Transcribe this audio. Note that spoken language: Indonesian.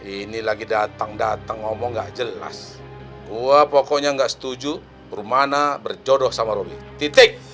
ini lagi datang datang ngomong gak jelas gue pokoknya gak setuju rum anak berjodoh sama robi titik